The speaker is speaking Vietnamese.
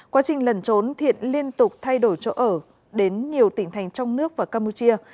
quá trình lần trốn thiện liên tục thay đổi chỗ ở đến nhiều tỉnh thành trong nước và campuchia